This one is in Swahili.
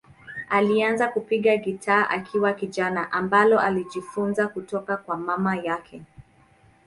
Alianza kupiga gitaa akiwa kijana, ambalo alijifunza kutoka kwa mama yake.